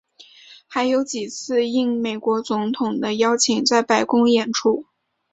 还有几次应美国总统的邀请在白宫演出。